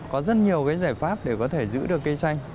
có rất nhiều cái giải pháp để có thể giữ được cây xanh